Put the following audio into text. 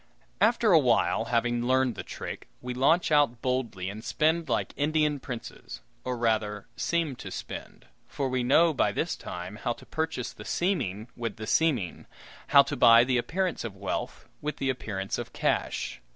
After awhile, having learned the trick, we launch out boldly and spend like Indian Princes or rather seem to spend; for we know, by this time, how to purchase the seeming with the seeming, how to buy the appearance of wealth with the appearance of cash.